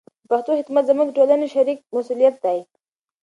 د پښتو خدمت زموږ د ټولو شریک مسولیت دی.